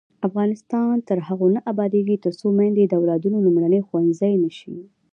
افغانستان تر هغو نه ابادیږي، ترڅو میندې د اولادونو لومړنی ښوونځی نشي.